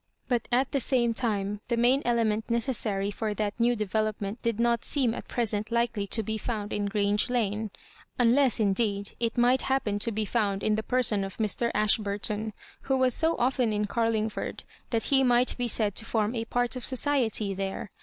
But at the same time, the main element necessary for that new develop ment did not seem at present likely to be found in Grange Lane. Unless, indeed, it might happen to be found in the person of Mr. Ashburton, who was so often in Carlingford that he might be said to form a part of society there.